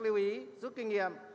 lưu ý rút kinh nghiệm